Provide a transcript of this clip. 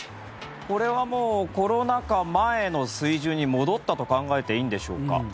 これはもうコロナ禍前の水準に戻ったと考えていいんでしょうか。